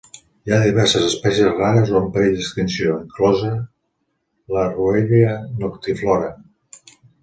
Hi ha diverses espècies rares o en perill d'extinció, inclosa la "Ruellia noctiflora".